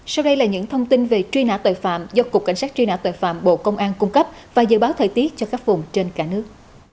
sau đây là những thông tin về truy nã tội phạm do cục cảnh sát truy nã tội phạm bộ công an cung cấp và dự báo thời tiết cho các vùng trên cả nước